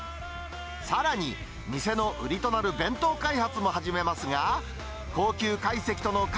さらに、店の売りとなる弁当開発も始めますが。